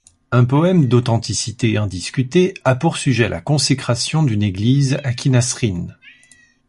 Un poème d'authenticité indiscutée a pour sujet la consécration d'une église à Qinnasrîn.